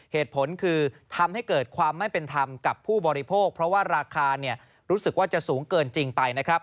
เหตุผลคือทำให้เกิดความไม่เป็นธรรมกับผู้บริโภคเพราะว่าราคารู้สึกว่าจะสูงเกินจริงไปนะครับ